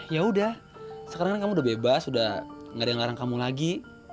ya udah sekarang kan kamu udah bebas udah gak ada yang ngarang kamu lagi